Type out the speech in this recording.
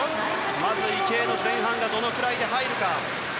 まず池江の前半がどのぐらいで入るか。